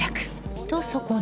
とそこに